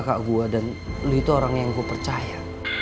kakak gue dan lu itu orang yang gue percaya